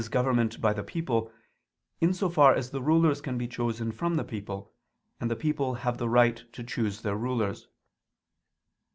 government by the people, in so far as the rulers can be chosen from the people, and the people have the right to choose their rulers.